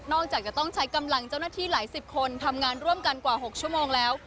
จากจะต้องใช้กำลังเจ้าหน้าที่หลายสิบคนทำงานร่วมกันกว่า๖ชั่วโมงแล้ว